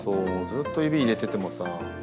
ずっと指入れててもさ。